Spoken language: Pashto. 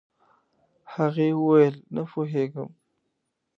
هغې وويل نه پوهيږم.